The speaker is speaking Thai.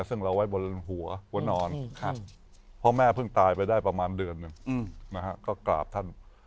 ซึ่งเราไว้บนหัวบนนอนเพราะแม่เพิ่งตายไปได้ประมาณเดือนหนึ่งก็กราบท่าน